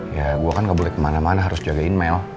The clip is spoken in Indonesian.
ya gue kan gak boleh kemana mana harus jagain mail